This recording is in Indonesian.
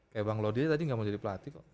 kayak bang lodi tadi enggak mau jadi pelatih kok